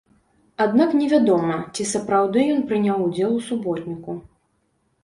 Аднак невядома, ці сапраўды ён прыняў удзел у суботніку.